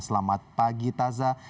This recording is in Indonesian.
selamat pagi tazah